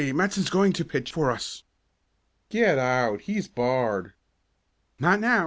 Matson is going to pitch for us!" "Get out! He's barred!" "Not now.